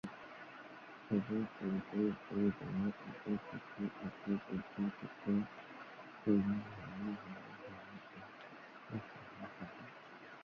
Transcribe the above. সাধু-চলিত রীতির বাইরে আরবি-ফার্সি-উর্দু-তুর্কি শব্দ সহযোগে ভিন্ন ধারার বাংলা এই পত্রিকায় প্রকাশ হত।